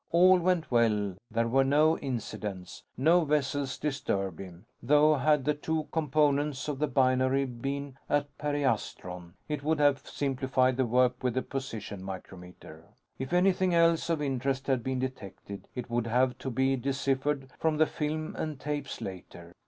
All went well, there were no incidents, no vessels disturbed him; though had the two components of the binary been at periastron, it would have simplified the work with the position micrometer. If anything else of interest had been detected, it would have to be deciphered from the film and tapes later.